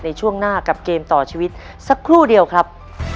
ในช่วงหน้ากับเกมต่อชีวิตสักครู่เดียวครับ